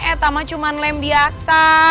eh tambah cuma lem biasa